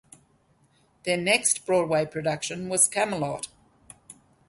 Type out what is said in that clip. Their next Broadway production was "Camelot".